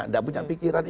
enggak punya pikiran itu